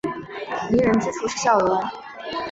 迷人之处是笑容。